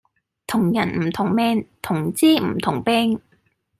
同人唔同命同遮唔同柄